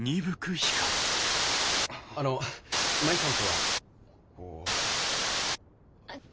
あの舞さんとはこう。